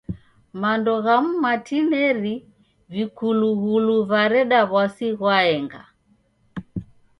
Mando ghamu matineri vikulughulu vareda w'asi ghwaenga.